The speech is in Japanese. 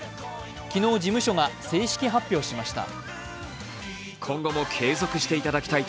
昨日、事務所が正式発表しました。